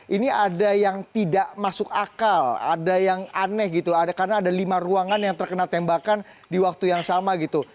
ini ada yang tidak masuk akal ada yang aneh gitu karena ada lima ruangan yang terkena tembakan di waktu yang sama gitu